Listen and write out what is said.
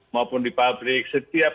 maupun di pabrik setiap